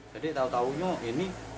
jadi tahu tahunya ini